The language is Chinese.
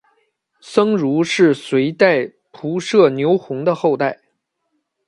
僧孺是隋代仆射牛弘的后代。